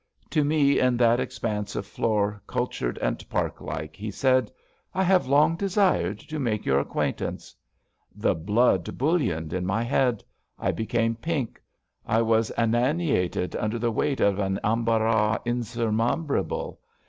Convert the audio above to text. To me in that expanse of floor cultured and park like. He said :'* I have long desired to make your acquaintance.^^ The blood bouilloned in my head. I became pink. I was aneantied under the weight of an embarras insubrimable.